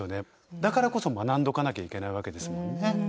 だからこそ学んどかなきゃいけないわけですもんね。